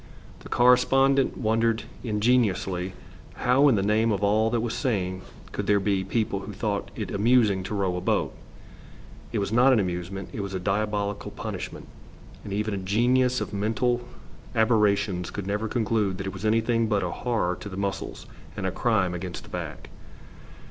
The correspondent wondered ingenuously how in the name of all that was sane could there be people who thought it amusing to row a boat. It was not an amusement; it was a diabolical punishment, and even a genius of mental aberrations could never conclude that it was anything but a horror to the muscles and a crime against the back.